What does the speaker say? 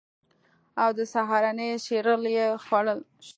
او د سهارنۍ سیریل یې خوړل